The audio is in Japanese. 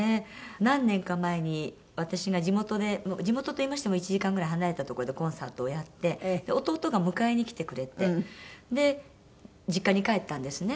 何年か前に私が地元で地元といいましても１時間ぐらい離れた所でコンサートをやって弟が迎えに来てくれて実家に帰ったんですね。